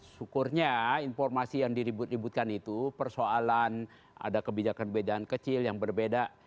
syukurnya informasi yang diribut ributkan itu persoalan ada kebijakan bedaan kecil yang berbeda